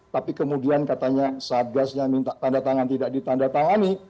tapi kemudian katanya satgasnya minta tanda tangan tidak ditanda tangani